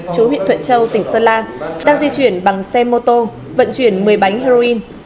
chú huyện thuận châu tỉnh sơn la đang di chuyển bằng xe mô tô vận chuyển một mươi bánh heroin